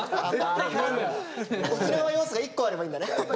沖縄要素が一個あればいいんだね。